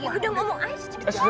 gue udah ngomong aja cepet cepet